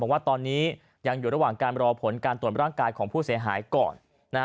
ว่าตอนนี้ยังอยู่ระหว่างการรอผลการตรวจร่างกายของผู้เสียหายก่อน